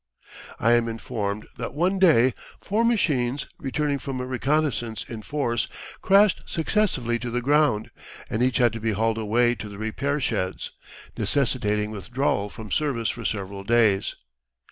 I am informed that one day four machines, returning from a reconnaissance in force, crashed successively to the ground, and each had to be hauled away to the repair sheds, necessitating withdrawal from service for several days.